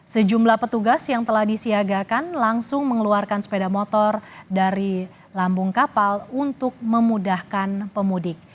sejumlah petugas yang telah disiagakan langsung mengeluarkan sepeda motor dari lambung kapal untuk memudahkan pemudik